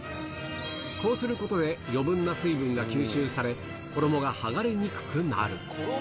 こうすることで、余分な水分が吸収され、衣が剥がれにくくなる。